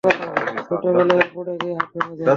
ছোটবেলায় ও পড়ে গিয়ে হাত ভেঙ্গে যায়।